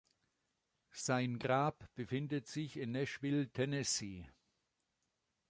Sein Grab befindet sich in Nashville, Tennessee.